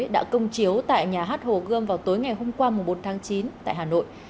đã công chiếu tại nhà hát hồ gươm vào tối ngày hôm qua bốn tháng chín tại hà nội